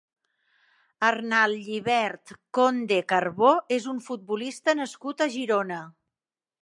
Arnal Llibert Conde Carbó és un futbolista nascut a Girona.